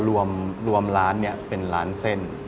จริงรวมร้านพร้อมเป็นร้านเส้น